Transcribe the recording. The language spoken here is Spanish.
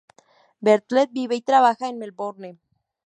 Bartlett vive y trabaja en Melbourne.